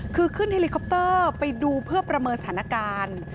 คือขึ้นเฮลิคอปเตอร์ไปดูเพื่อประเมินสถานการณ์